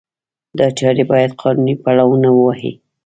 دا چارې باید قانوني پړاونه ووهي.